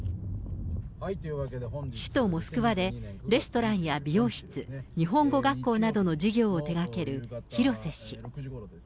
首都モスクワで、レストランや美容室、日本語学校などの授業を手がける廣瀬氏。